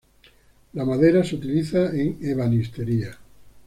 La madera se utiliza en ebanistería.